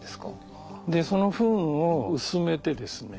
そのフンを薄めてですね